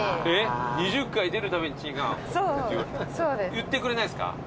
言ってくれないんすか？